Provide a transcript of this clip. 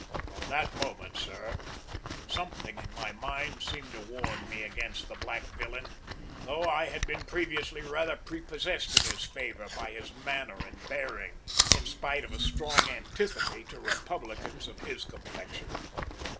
"From that moment, sir, something in my mind seemed to warn me against the black villain, though I had been previously rather prepossessed in his favour by his manner and bearing, in spite of a strong antipathy to republicans of his complexion!"